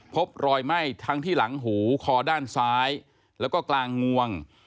พบรอยไหม้ทั้งที่หลังหูคอด้านซ้ายแล้วก็กลางงวง